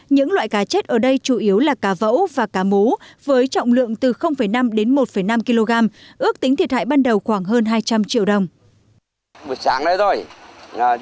những loại cá chết ở đây chủ yếu là cá vẫu và cá mố với trọng lượng từ năm đến một năm kg ước tính thiệt hại ban đầu khoảng hơn hai trăm linh triệu đồng